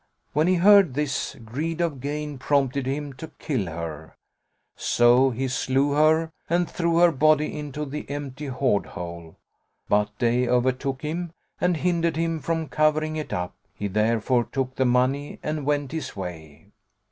When he heard this, greed of gain prompted him to kill her; so he slew her and threw her body into the empty hoard hole; but day overtook him and hindered him from covering it up; he therefore took the money and went his way.